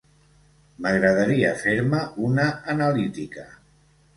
M'agradaria fer-me una analítica.